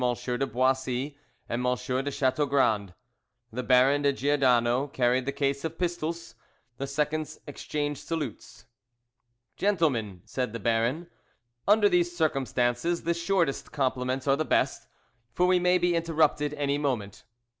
de Boissy and M. de Chateaugrand. The Baron de Giordano carried the case of pistols. The seconds exchanged salutes. "Gentlemen," said the Baron, "under these circumstances the shortest compliments are the best, for we may be interrupted any moment.